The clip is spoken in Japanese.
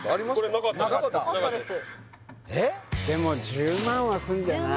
１０万はするんじゃない？